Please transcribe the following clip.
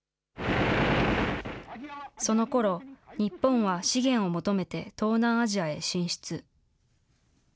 そのころ、日本は資源を求めて、東南アジアへ進出。